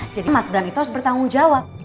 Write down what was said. jadi mas bram itu harus bertanggung jawab